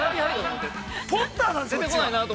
ポッターなんですよ。